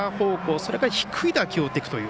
それから低い打球を打っていくという。